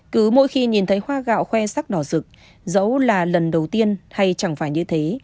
cứ mỗi khi nhìn thấy hoa gạo khoe sắc đỏ rực dẫu là lần đầu tiên hay chẳng phải như thế